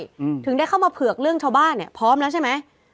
อืมถึงได้เข้ามาเผือกเรื่องชาวบ้านเนี้ยพร้อมแล้วใช่ไหม